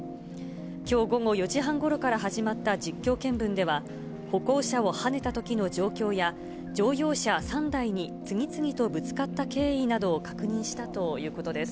きょう午後４時半ごろから始まった実況見分では、歩行者をはねたときの状況や、乗用車３台に次々とぶつかった経緯などを確認したということです。